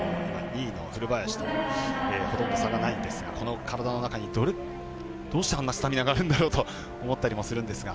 ２位の古林とほとんど差がないんですがこの体の中にどうしてあんなスタミナがあるんだろうと思ったりもするんですが。